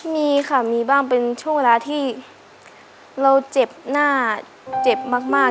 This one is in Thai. มีค่ะมีบ้างเป็นช่วงเวลาที่เราเจ็บหน้าเจ็บมาก